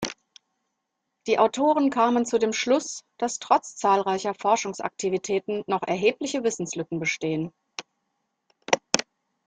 Die Autoren kamen zu dem Schluss, dass trotz zahlreicher Forschungsaktivitäten noch erhebliche Wissenslücken bestehen.